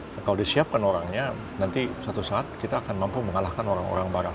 nah kalau disiapkan orangnya nanti suatu saat kita akan mampu mengalahkan orang orang barat